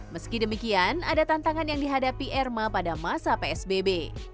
meski demikian ada tantangan yang dihadapi erma pada masa psbb